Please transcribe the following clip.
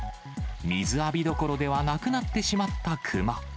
水浴びどころではなくなってしまったクマ。